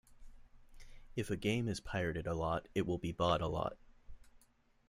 If a game is pirated a lot it will be bought a lot.